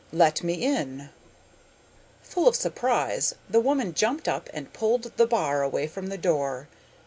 Let me in.' Full of surprise the woman jumped up and pulled the bar away from the door.